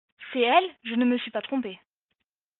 C’est elle ! je ne me suis pas trompé !